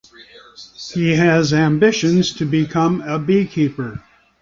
He has ambitions to become a beekeeper.